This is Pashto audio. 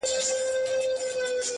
لس کلونه یې تر مرګه بندیوان وو-